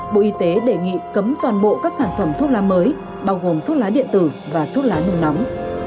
bộ y tế đề nghị cấm toàn bộ các sản phẩm thuốc lá mới bao gồm thuốc lá điện tử và thuốc lá nùng nóng